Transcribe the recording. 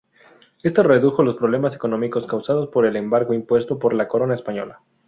Esto redujo los problemas económicos causados por el embargo impuesto por la corona española.